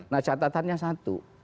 nah catatannya satu